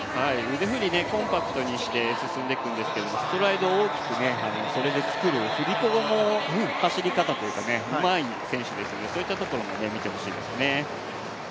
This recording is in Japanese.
腕振りコンパクトにして進んでいくんですけどストライドを大きくそれで作る振り子の走り方もうまい選手ですので、そういったところも見てほしいですね。